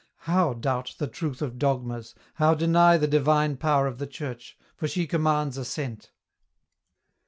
How doubt the truth of dogmas, how deny the divine power of the Church, for she commands assent